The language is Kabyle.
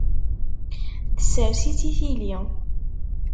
Tessers-itt i tili.